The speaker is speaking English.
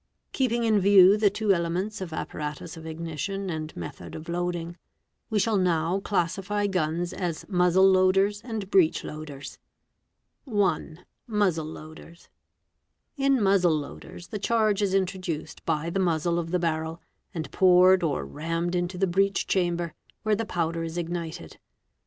Keeping in view the two elements of ot paratus of ignition and method of loading, we shall now classify guns as muzzle loaders and breech loaders. 420 WEAPONS (1) Muzzle loaders. * In muzzle loaders the charge is introduced by the muzzle of the barrel and poured or rammed into the breech chamber,' where the powder is ignited.